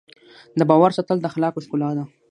د باور ساتل د اخلاقو ښکلا ده.